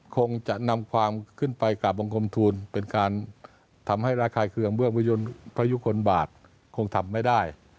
คงจะนำความขึ้นไปกราบบังคมทูลเป็นการทำให้ระคายเครื่องเบื้องพระยุคลบาทคงทำไม่ได้